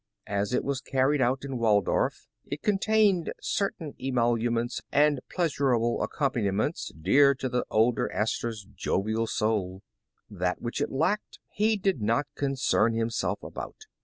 As it was carried on in Waldorf, it contained certain emol uments and pleasurable accompaniments dear to the elder Astor 's jovial soul. That which it lacked, he did not concern himself about.